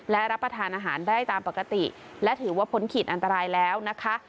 และรับประทานอาหารได้ตามปกติและถือว่าพ้นขีดอันตรายแล้วนะคะ